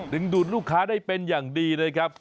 ดูดลูกค้าได้เป็นอย่างดีนะครับ